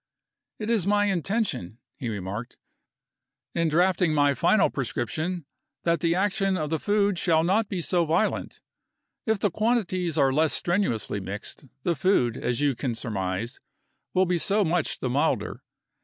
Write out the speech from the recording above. "It is my intention," he remarked, "in drafting my final prescription, that the action of the food shall not be so violent. If the quantities are less strenuously mixed, the food, as you can surmise, will be so much the milder.